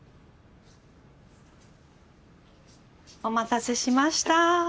お待たせしました。